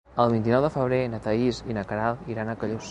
El vint-i-nou de febrer na Thaís i na Queralt iran a Callús.